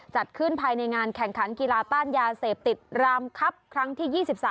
จัดขึ้นภายในงานแข่งขันกีฬาต้านยาเสพติดรามครับครั้งที่๒๓